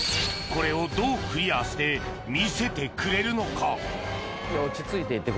これをどうクリアして見せてくれるのか？